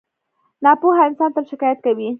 • ناپوهه انسان تل شکایت کوي.